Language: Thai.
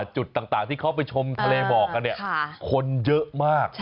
จุดต่างที่เขาไปชมทะเลหมอกกันเนี่ยคนเยอะมาก